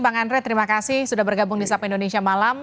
bang andre terima kasih sudah bergabung di sapa indonesia malam